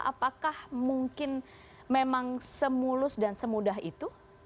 apakah mungkin memang semulus dan semudah itu